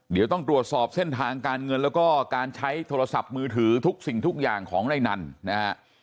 เดี๋ยวต้องตรวจสอบเส้นทางการเงินแล้วก็การใช้โทรศัพท์มือถือทุกสิ่งทุกอย่างของในนั้นนะฮะ